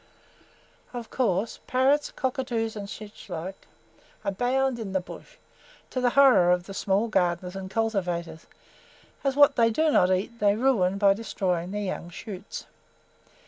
Of course, parrots, cockatoos and "sich like," abound in the bush, to the horror of the small gardeners and cultivators, as what they do not eat they ruin by destroying the young shoots.